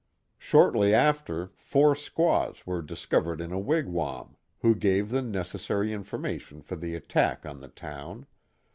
Shortly after, four squaws were discovered in a wigwam, who gave the necessary information for the attack on the town.